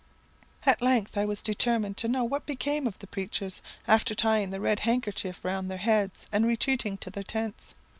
"At length I was determined to know what became of the preachers, after tying the red handkerchief round their heads and retreating to their tents.